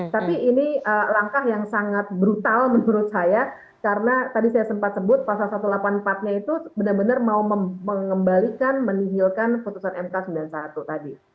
tapi ini langkah yang sangat brutal menurut saya karena tadi saya sempat sebut pasal satu ratus delapan puluh empat nya itu benar benar mau mengembalikan menihilkan putusan mk sembilan puluh satu tadi